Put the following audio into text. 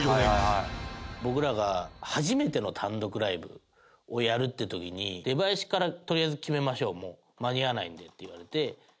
僕らが初めての単独ライブをやるって時に「出囃子からとりあえず決めましょうもう間に合わないんで」って言われて。